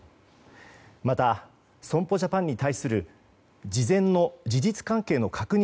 また、損保ジャパンに対する事前の事実関係の確認